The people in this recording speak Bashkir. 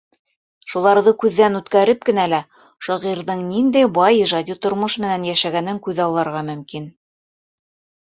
Шуларҙы күҙҙән үткәреп кенә лә шағирҙың ниндәй бай ижади тормош менән йәшәгәнен күҙалларға мөмкин.